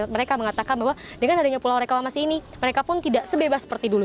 mereka mengatakan bahwa dengan adanya pulau reklamasi ini mereka pun tidak sebebas seperti dulu